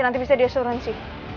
nanti bisa di asuransi